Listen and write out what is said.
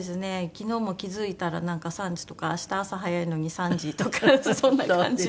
昨日も気付いたらなんか３時とか明日朝早いのに３時とかそんな感じで。